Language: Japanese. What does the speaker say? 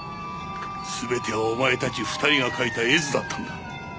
全てはお前たち２人が描いた絵図だったんだ。